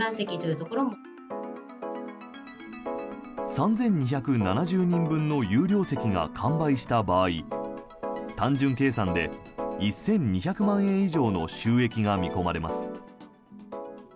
３２７０人分の有料席が完売した場合単純計算で１２００万円以上の収益が見込まれます。